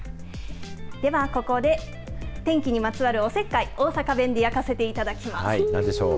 ではここで天気にまつわるおせっかい、大阪弁でやかせていただきます。